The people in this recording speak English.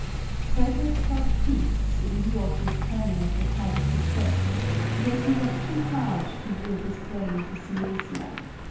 Frederic squght peace, in view of this turning of the tide of success, yet he was too proud to yield his claim to Silesia.